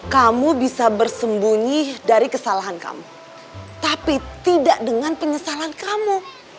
kamu bisa bersembunyi dari kesalahan kamu tapi tidak dengan penyesalan kamu